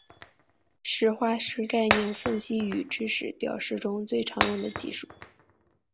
实化是概念分析与知识表示中最常用的技术。